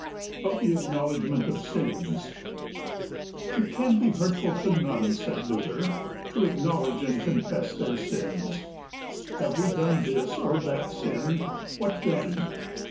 Of the Acknowledgment of Sins. It can be hurtful to none, said Luther, to acknowledge and confess their sins. Have we done this or that sin, what then?